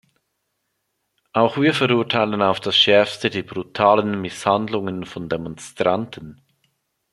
Auch wir verurteilen auf das Schärfste die brutalen Misshandlungen von Demonstranten.